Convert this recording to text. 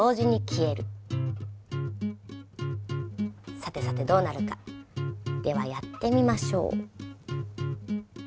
さてさてどうなるか？ではやってみましょう。